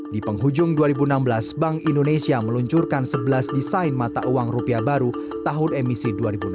di penghujung dua ribu enam belas bank indonesia meluncurkan sebelas desain mata uang rupiah baru tahun emisi dua ribu enam belas